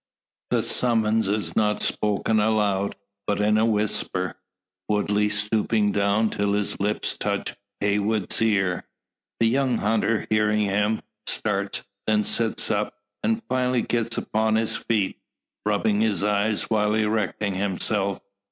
The summons is not spoken aloud, but in a whisper, Woodley stooping down till his lips touch Heywood's ear. The young hunter hearing him, starts, then sits up, and finally gets upon his feet, rubbing his eyes while erecting himself.